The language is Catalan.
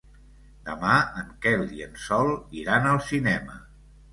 Demà en Quel i en Sol iran al cinema.